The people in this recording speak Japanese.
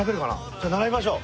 じゃ並びましょう。